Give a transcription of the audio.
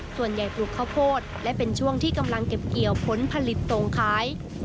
ส่วนใหญ่ปลูกข้าวโพดและเป็นช่วงที่กำลังเก็บเกี่ยวพ้นผลิตตรงคลาย